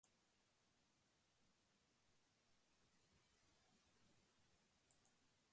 Gainera, iritzia emateko aukera egongo da webgunean bertan.